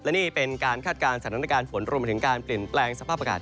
นี่เป็นการคาดการณ์สถานการณ์ฝนรวมไปถึงการเปลี่ยนแปลงสภาพอากาศ